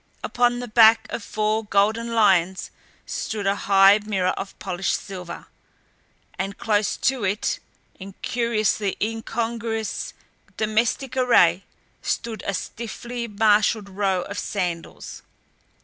Upon the back of four golden lions stood a high mirror of polished silver. And close to it, in curiously incongruous domestic array stood a stiffly marshaled row of sandals.